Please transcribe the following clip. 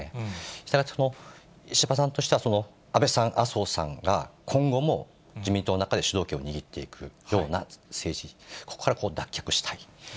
したがって、石破さんとしては安倍さん、麻生さんが今後も自民党の中で主導権を握っていくような政治、ここから脱却したい。